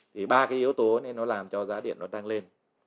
thì ba cái yếu tố nên nó làm cho giá điện nó tăng lên